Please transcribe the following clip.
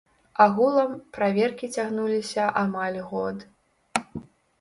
Агулам, праверкі цягнуліся амаль год.